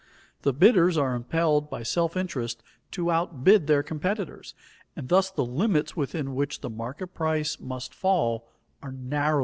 The bidders are impelled by self interest to outbid their competitors, and thus the limits within which the market price must fall are narrowly fixed.